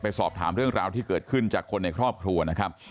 สอบถามเรื่องราวที่เกิดขึ้นจากคนในครอบครัวนะครับ